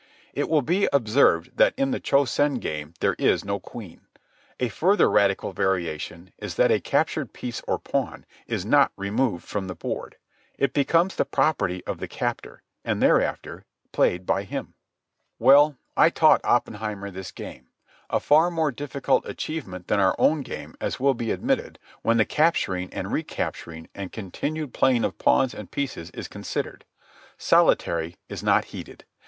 It will be observed that in the Cho Sen game there is no queen. A further radical variation is that a captured piece or pawn is not removed from the board. It becomes the property of the captor and is thereafter played by him. Well, I taught Oppenheimer this game—a far more difficult achievement than our own game, as will be admitted, when the capturing and recapturing and continued playing of pawns and pieces is considered. Solitary is not heated.